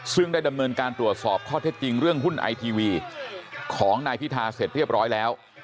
ซึ่งได้ดำเนินการตรวจสอบข้อเท็จจริงเรื่องหุ้นไอทีวีของนายพิธาเสร็จเรียบร้อยแล้ว